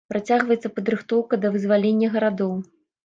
Працягваецца падрыхтоўка да вызвалення гарадоў.